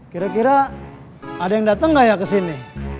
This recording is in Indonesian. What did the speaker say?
kira kira ada yang dateng gak ya ke sini